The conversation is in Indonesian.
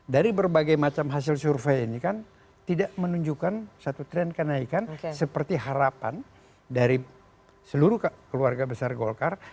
dari berbagai macam hasil survei ini kan tidak menunjukkan satu tren kenaikan seperti harapan dari seluruh keluarga besar golkar